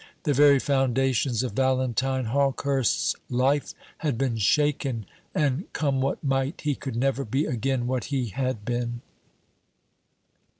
The very foundations of Valentine Hawkehurst's life had been shaken, and, come what might, he could never be again what he had been.